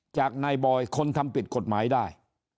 จากนายบอยคนทำผิดกฎหมายได้